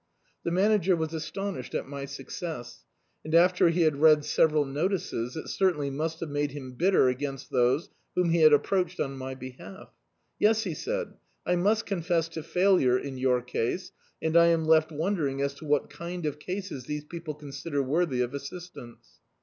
The Manager was astonished at my success, and, after he had read several notices, it certainly must have made him bitter against those whom he had approached on my behalf. "Yes," he said, "I must confess to failure, in your case, and I am left won dering as to what kind of cases these people con sider worthy of assistance."